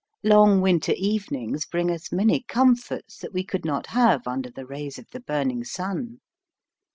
Long winter evenings bring us many comforts that we could not have under the rays of the burning sun.